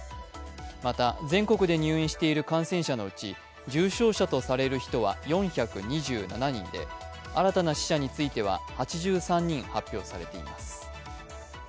また全国で入院している感染者のうち重症者とされる人は４２７人で新たな死者については８３人発表されています。